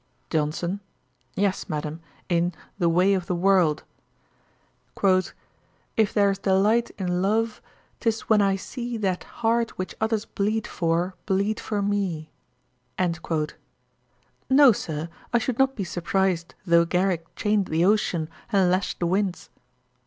JOHNSON. 'Yes, Madam, in The Way of the World: "If there's delight in love, 'tis when I see That heart which others bleed for, bleed for me." 'No, Sir, I should not be surprised though Garrick chained the ocean, and lashed the winds.'